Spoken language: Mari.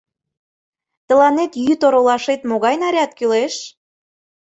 Тыланет йӱд оролашет могай наряд кӱлеш?